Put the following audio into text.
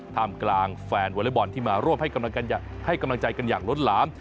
ท่ามกลางแฟนวอเล็กบอลที่มาร่วมให้กำลังใจกันอย่างล้นหลาม